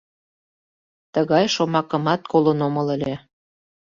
— Тыгай шомакымат колын омыл ыле.